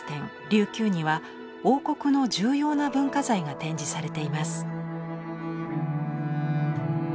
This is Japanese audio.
琉球には王国の重要な文化財が展示されています。